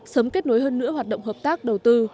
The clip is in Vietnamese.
sớm kết nối hơn nữa hoạt động hợp tác đầu tư